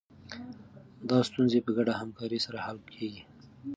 دا ستونزه په ګډه همکارۍ سره حل کېږي.